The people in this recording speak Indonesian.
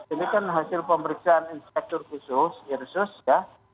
ini kan hasil pemeriksaan inspektur khusus irsus ya